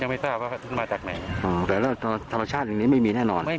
ไม่มีครับไม่มี